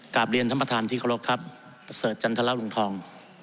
กราบเรียนธรรมฐานธิกรกครับประเสริฐจันทรรภ์รุงทอง